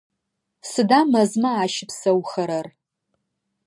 Сыда мэзмэ ащыпсэухэрэр?